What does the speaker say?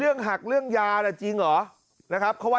เรื่องหักเรื่องยาน่ะจริงหรอนะครับ